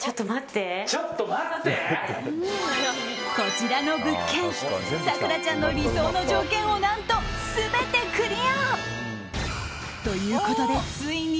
こちらの物件咲楽ちゃんの理想の条件を何と全てクリア。ということで、ついに。